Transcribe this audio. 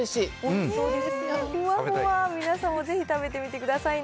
ふわふわ、みなさんもぜひ食べてみてください。